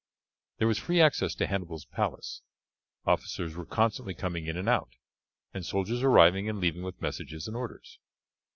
There was free access to Hannibal's palace; officers were constantly coming in and out, and soldiers arriving and leaving with messages and orders.